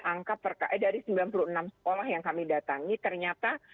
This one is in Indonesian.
angka perka eh dari sembilan puluh tujuh sekolah itu berarti